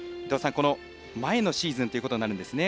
前のシーズンということになるんですね